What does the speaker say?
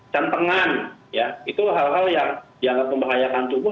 centengan ya itu hal hal yang dianggap membahayakan tubuh